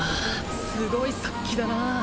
すごい殺気だな